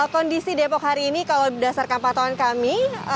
kondisi depok hari ini kalau berdasarkan patauan kami